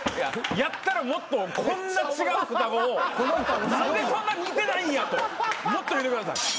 やったらもっとこんな違う双子を何でそんな似てないんやともっと言うてください。